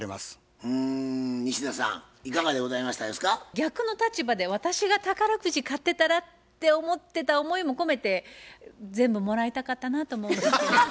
逆の立場で私が宝くじ買ってたらって思ってた思いも込めて全部もらいたかったなと思います。